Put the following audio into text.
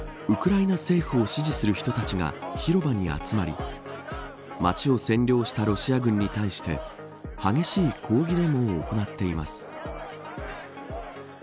ウクライナ政府を支持する人たちが広場に集まり街を占領したロシア軍に対して激しい抗議デモを行っています。